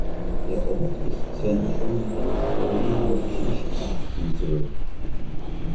Der Ort ist Zentrum einer kleinen deutschen Sprachinsel.